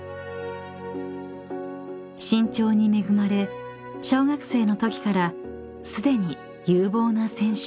［身長に恵まれ小学生のときからすでに有望な選手］